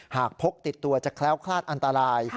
พกติดตัวจะแคล้วคลาดอันตราย